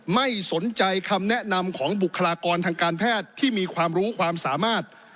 ไม่สนใจคำแนะนำของบุคลากรทางการแพทย์ที่มีความรู้ความสามารถ